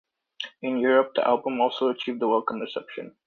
In Europe, the album also achieved a welcome reception.